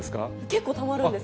結構たまるんです。